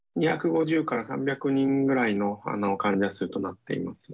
２５０から３００人ぐらいの患者数となっています。